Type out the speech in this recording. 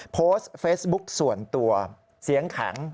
โพสต์เฟซบุ๊กส่วนตัวเสียงแข็ง